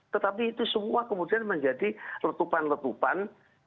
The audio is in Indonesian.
tetapi itu semua kemudian menjadi letupan letupan